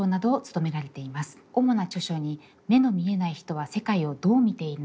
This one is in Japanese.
主な著書に「目の見えない人は世界をどう見ているのか」